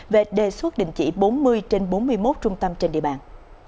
về đề xuất đình chỉ bốn mươi trên bốn mươi một trung tâm trên địa bàn